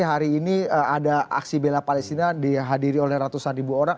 hari ini ada aksi bela palestina dihadiri oleh ratusan ribu orang